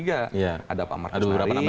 ada pak markus nari